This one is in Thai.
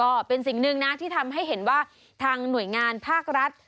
ก็เป็นสิ่งหนึ่งนะที่ทำให้เห็นว่าทางหน่วยงานภาครัฐ